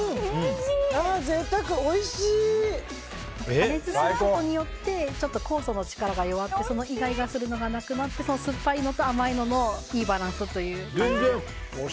加熱することによって酵素の力が弱まってイガイガするのがなくなって酸っぱいのと甘いののいいバランスという。